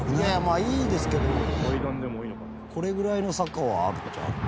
まあいいですけどこれぐらいの坂はあるっちゃある。